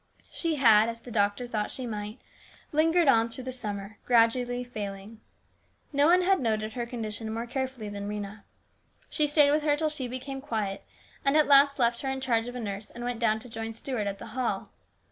She had, as the doctor thought she might, lingered on through the summer, gradually failing. No one had noted her condition more carefully than Rhena. She stayed with her until she became quiet, and at last left her in charge of a nurse and went down to join Stuart at the hall.